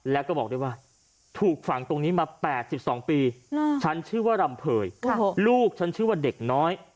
แล้วก็บอกด้วยว่าถูกฝังตรงนี้มา๘๒ปีฉันชื่อว่ารำเภยลูกฉันชื่อว่าเด็กน้อย